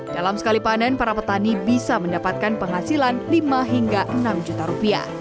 dalam sekali panen para petani bisa mendapatkan penghasilan rp lima hingga rp enam juta